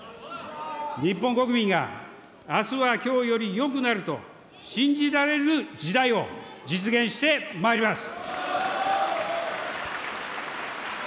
日本国民が、あすはきょうよりよくなると、信じられる時代を実現してまいります。